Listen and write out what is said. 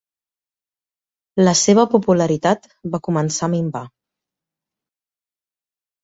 La seva popularitat va començar a minvar.